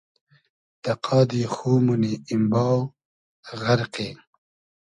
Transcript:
دۂ قادی خو مونی ایمباو ، غئرقی